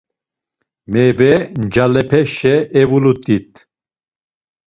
Meyve ncalepeşe evulut̆it.